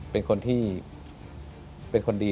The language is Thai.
เป็นคนที่เป็นคนดี